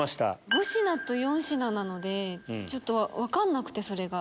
５品と４品なので分かんなくてそれが。